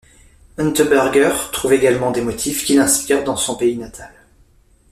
Unterberger trouve également des motifs qui l'inspire dans son pays natal.